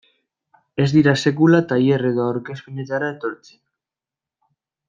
Ez dira sekula tailer edo aurkezpenetara etortzen.